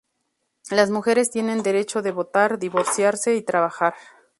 Las mujeres tienen derecho de votar, divorciarse y trabajar.